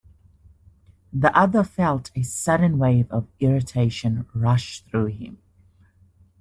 The other felt a sudden wave of irritation rush through him.